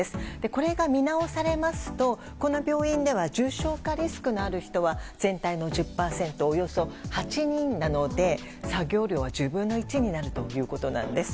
これが見直されますとこの病院では重症化リスクのある人は全体の１０％、およそ８人なので作業量は１０分の１になるということなんです。